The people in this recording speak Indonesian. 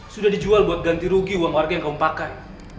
sudah dijual buat ganti rugi uang warga yang kaumpakan